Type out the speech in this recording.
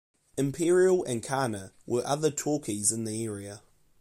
"Imperial" and "Khanna" were other talkies in the area.